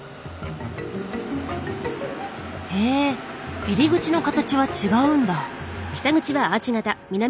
へえ入り口の形は違うんだ。